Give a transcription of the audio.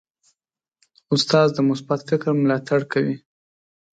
استاد د مثبت فکر ملاتړ کوي.